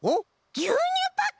ぎゅうにゅうパック！